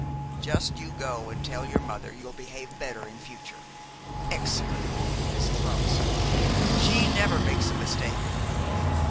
Just you go and tell your mother you'll behave better in future. Excellent woman, Mrs. Vavasour. She never makes a mistake.